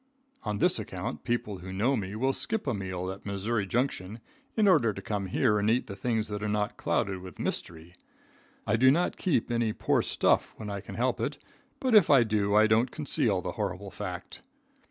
"On this account, people who know me will skip a meal at Missouri Junction, in order to come here and eat things that are not clouded with mystery. I do not keep any poor stuff when I can help it, but if I do, I don't conceal the horrible fact.